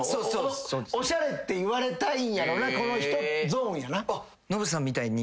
おしゃれって言われたいんやろなこの人ゾーンやな。